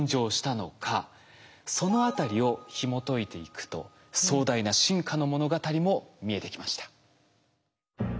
そのあたりをひもといていくと壮大な進化の物語も見えてきました。